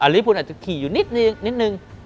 ลิพุนอาจจะขี่อยู่นิดนึง